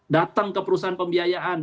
datang ke perusahaan pembiayaan